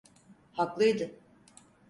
Haklıydı.